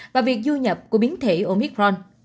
và việc du nhập của biến thể omicron